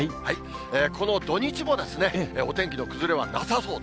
この土日もですね、お天気の崩れはなさそう。